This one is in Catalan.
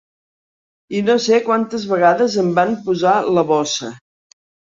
I no sé quantes vegades em van posar la bossa.